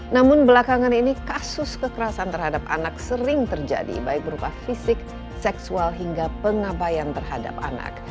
namun belakangan ini kasus kekerasan terhadap anak sering terjadi baik berupa fisik seksual hingga pengabayan terhadap anak